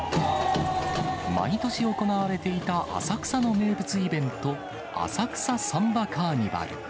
毎年行われていた浅草の名物イベント、浅草サンバカーニバル。